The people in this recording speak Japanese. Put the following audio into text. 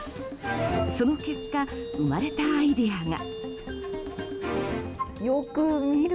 その結果生まれたアイデアが。